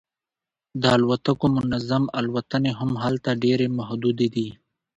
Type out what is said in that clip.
د الوتکو منظم الوتنې هم هلته ډیرې محدودې دي